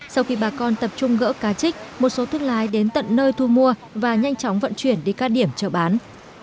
sau khi bà con tập trung gỡ cá trích một số thương lái đến tận nơi thu mua và nhanh chóng vận chuyển đi các điểm chợ bán